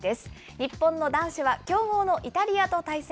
日本の男子は強豪のイタリアと対戦。